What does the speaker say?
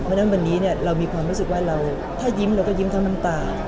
เพราะฉะนั้นวันนี้เรามีความรู้สึกว่าเราถ้ายิ้มเราก็ยิ้มทั้งน้ำตา